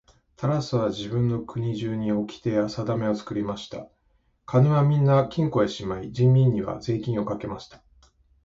タラスは自分の国中におきてやさだめを作りました。金はみんな金庫へしまい、人民には税金をかけました。